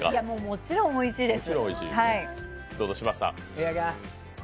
もちろんおいしいです。